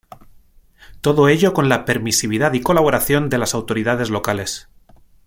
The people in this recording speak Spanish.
Todo ello con la permisividad y colaboración de las autoridades locales.